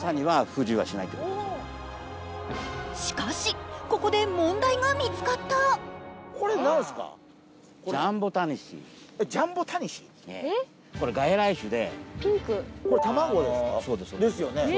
しかし、ここで問題が見つかったこれ、外来種で。